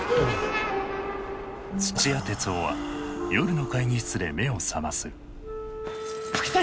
土屋徹生は夜の会議室で目を覚ます。